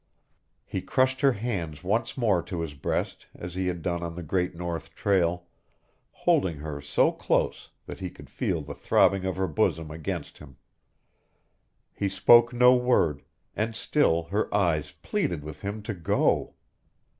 He crushed her hands once more to his breast as he had done on the Great North Trail, holding her so close that he could feel the throbbing of her bosom against him. He spoke no word and still her eyes pleaded with him to go.